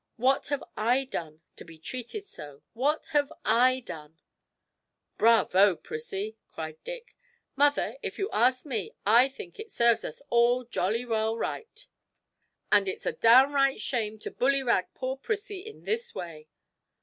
What have I done to be treated so? What have I done?' 'Bravo, Prissie!' cried Dick. 'Mother, if you ask me, I think it serves us all jolly well right, and it's a downright shame to bullyrag poor Prissie in this way!'